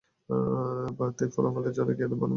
পার্থিব ফলাফলের দ্বারা জ্ঞানের ভাল-মন্দের বিচার হয় না।